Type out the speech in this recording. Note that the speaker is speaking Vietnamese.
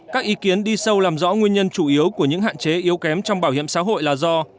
các ý kiến đi sâu làm rõ nguyên nhân chủ yếu của những hạn chế yếu kém trong bảo hiểm xã hội là do